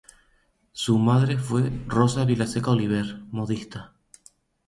Su madre fue Rosa Vilaseca Oliver, modista.